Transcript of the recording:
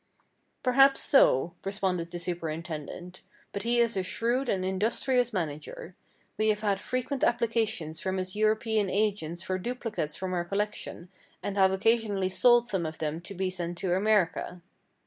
"Perhaps so," responded the superintendent, "but he is a shrewd and industrious manager. We have had frequent applications from his European agents for duplicates from our collection and have occasionally sold some to them to be sent to America."